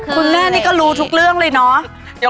คุณแม่นี่ก็รู้ทุกเรื่องเลยเนาะ